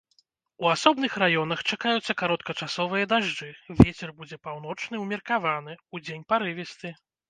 У асобных раёнах чакаюцца кароткачасовыя дажджы, вецер будзе паўночны ўмеркаваны, удзень парывісты.